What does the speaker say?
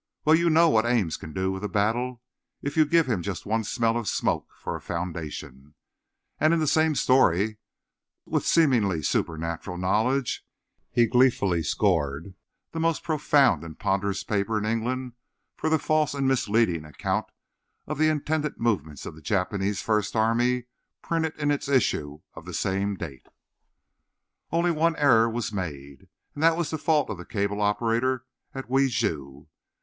—well, you know what Ames can do with a battle if you give him just one smell of smoke for a foundation. And in the same story, with seemingly supernatural knowledge, he gleefully scored the most profound and ponderous paper in England for the false and misleading account of the intended movements of the Japanese First Army printed in its issue of the same date. Only one error was made; and that was the fault of the cable operator at Wi ju.